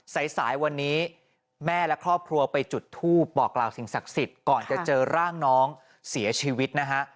สายสายวันนี้แม่และครอบครัวไปจุดทูปบอกกล่าวสิ่งศักดิ์สิทธิ์ก่อนจะเจอร่างน้องเสียชีวิตนะฮะ